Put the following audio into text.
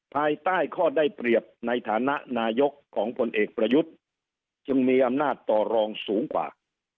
ภายใต้ข้อได้เปรียบในฐานะนายกของผลเอกประยุทธ์จึงมีอำนาจต่อรองสูงกว่า